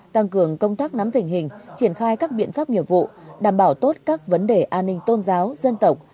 tăng cường công tác nắm tình hình triển khai các biện pháp nghiệp vụ đảm bảo tốt các vấn đề an ninh tôn giáo dân tộc